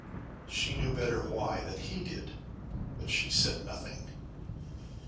She knew better why than he did but she said nothing.